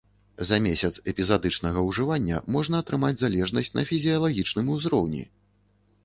За месяц эпізадычнага ўжывання можна атрымаць залежнасць на фізіялагічным узроўні.